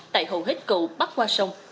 tại hầu hết cầu bắt qua sông